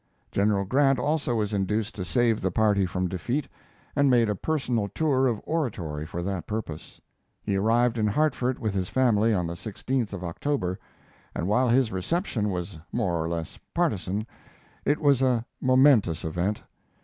General Grant also was induced to save the party from defeat, and made a personal tour of oratory for that purpose. He arrived in Hartford with his family on the 16th of October, and while his reception was more or less partizan, it was a momentous event.